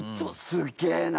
「すげえな！」